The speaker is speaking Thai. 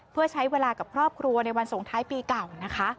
เพื่อใช้เวลากับครอบครัวในวันสงท้ายปีเก่านะคะ